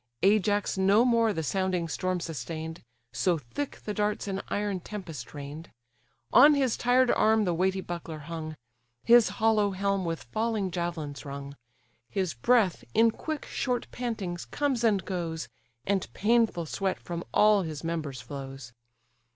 Ajax no more the sounding storm sustain'd, So thick the darts an iron tempest rain'd: On his tired arm the weighty buckler hung; His hollow helm with falling javelins rung; His breath, in quick short pantings, comes and goes; And painful sweat from all his members flows.